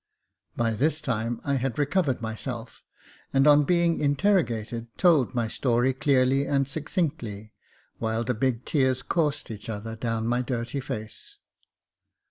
By this time I had recovered myself, and on being interrogated, told my story clearly and succinctly, while the big tears coursed each other down my dirty face.